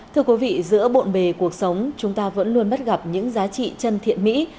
thưa quý vị giữa bộn bề cuộc sống chúng ta vẫn luôn bắt gặp những giá trị chân thiện mỹ